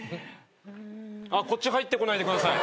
こっち入ってこないでください。